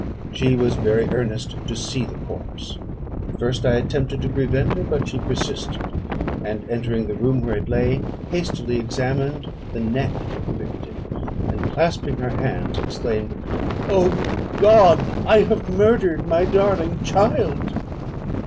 She was very earnest to see the corpse. At first I attempted to prevent her; but she persisted, and entering the room where it lay, hastily examined the neck of the victim, and clasping her hands exclaimed, 'O God! I have murdered my darling child!'